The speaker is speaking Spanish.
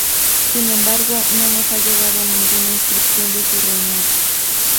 Sin embargo, no nos ha llegado ninguna inscripción de su reinado.